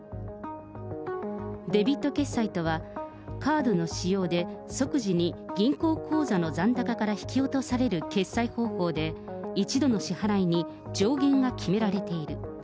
デビット決済とは、カードの使用で、即時に銀行口座の残高から引き落とされる決済方法で、一度の支払いに上限が決められている。